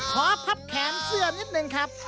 พับแขนเสื้อนิดนึงครับ